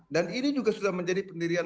dan ini juga sudah menjadi pendirian